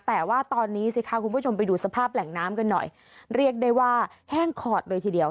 แต่ว่าตอนนี้สิคะคุณผู้ชมไปดูสภาพแหล่งน้ำกันหน่อยเรียกได้ว่าแห้งขอดเลยทีเดียว